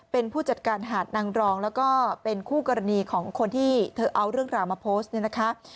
เป็นผู้จัดการหาดนางรองแล้วก็เป็นคู่กรณีของคนที่เธอเอาเรื่องราวมาโพสต์เนี่ยนะคะ